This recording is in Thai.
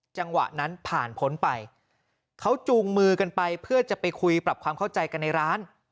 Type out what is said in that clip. จังหวะนั้นผ่านพ้นไปเขาจูงมือกันไปเพื่อจะไปคุยปรับความเข้าใจกันในร้าน